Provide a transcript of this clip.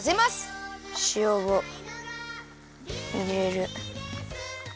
しおをいれる。